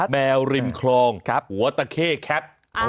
แมวริมคลองหัวตะเข้แคท